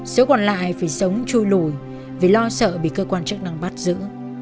số còn lại phải sống chui lùi vì lo sợ bị cơ quan chức năng bắt giữ